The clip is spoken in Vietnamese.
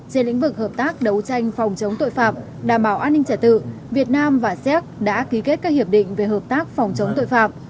trên lĩnh vực hợp tác đấu tranh phòng chống tội phạm đảm bảo an ninh trả tự việt nam và xéc đã ký kết các hiệp định về hợp tác phòng chống tội phạm